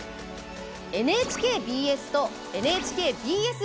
ＮＨＫＢＳとＮＨＫＢＳ